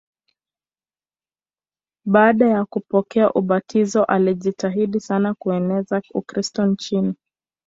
Baada ya kupokea ubatizo alijitahidi sana kueneza Ukristo nchini.